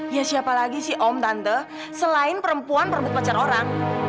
ya siapa lagi si om tante selain perempuan perebut pacar orang